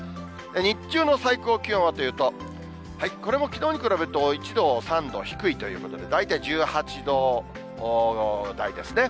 日中の最高気温はというと、これもきのうに比べると１度、３度低いということで、大体１８度台ですね。